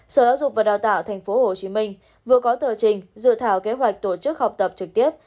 sở giáo dục và đào tạo tp hcm vừa có tờ trình dự thảo kế hoạch tổ chức học tập trực tiếp